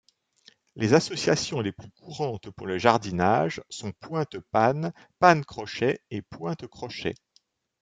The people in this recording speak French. Les associations les plus courantes pour le jardinage sont pointe-panne, panne-crochet et pointe-crochet.